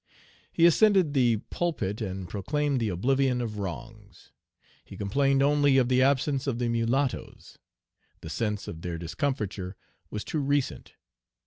He ascended the pulpit and proclaimed the oblivion of wrongs. He complained only of the absence of the mulattoes. The sense of their discomfiture was too recent.